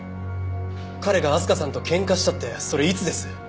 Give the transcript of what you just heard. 彼が明日香さんと喧嘩したってそれいつです？